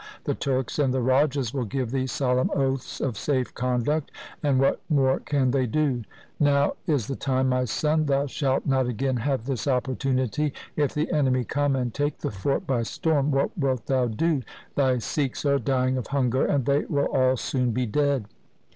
The Turks and the rajas will give thee solemn oaths of safe conduct, and what more can they do ? Now is the time, my son ; thou shalt not again have this opportunity If the enemy come and take the fort by storm, what wilt thou do ? Thy Sikhs are dying of hunger, and they will all soon be dead.'